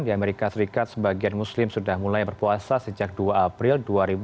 di amerika serikat sebagian muslim sudah mulai berpuasa sejak dua april dua ribu dua puluh